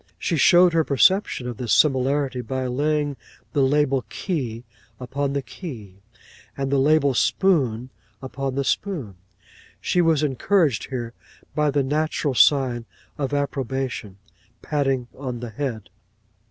She showed her perception of this similarity by laying the label key upon the key, and the label spoon upon the spoon. She was encouraged here by the natural sign of approbation, patting on the head.